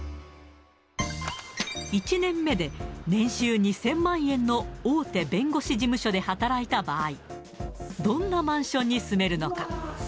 １年目で年収２０００万円の大手弁護士事務所で働いた場合、どんなマンションに住めるのか。